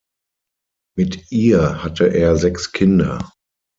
Mit ihr hatte er sechs Kinder.